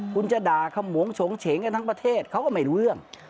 คุณจะด่าขมงฉงเฉงกันทั้งประเทศเขาก็ไม่รู้เรื่อง